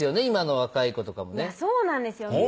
今の若い子とかもねそうなんですよ